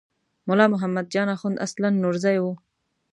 ملا محمد جان اخوند اصلاً نورزی و.